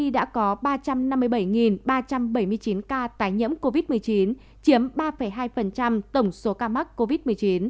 đã có ba trăm năm mươi bảy ba trăm bảy mươi chín ca tái nhiễm covid một mươi chín chiếm ba hai tổng số ca mắc covid một mươi chín